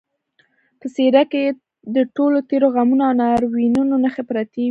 په څېره کې یې د ټولو تېرو غمونو او ناورینونو نښې پرتې وې